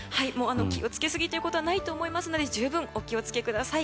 気を付けすぎということはないと思いますので十分お気をつけください。